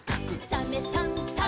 「サメさんサバさん」